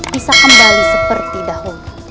bisa kembali seperti dahulu